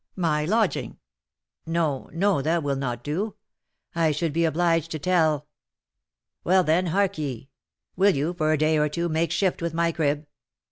My lodging No, no, that will not do; I should be obliged to tell " "Well, then, hark ye. Will you, for a day or two, make shift with my crib?